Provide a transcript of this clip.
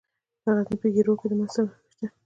د غزني په ګیرو کې د مسو نښې شته.